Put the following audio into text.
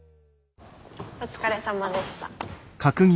お疲れさまでした。